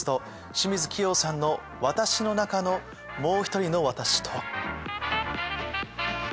清水希容さんの「私の中の、もうひとりのワタシ。」とは？